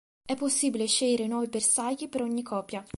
È possibile scegliere nuovi bersagli per ogni copia.